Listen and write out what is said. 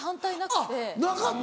あっなかった。